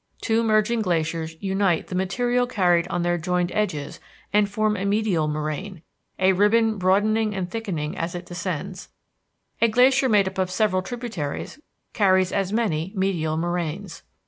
Two merging glaciers unite the material carried on their joined edges and form a medial moraine, a ribbon broadening and thickening as it descends; a glacier made up of several tributaries carries as many medial moraines.